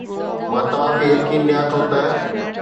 مان توهان کي يقين ڏيان ٿو ته